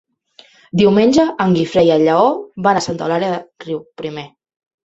Diumenge en Guifré i en Lleó van a Santa Eulàlia de Riuprimer.